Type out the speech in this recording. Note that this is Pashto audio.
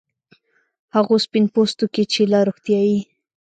هغو سپین پوستکو کې چې له روغتیايي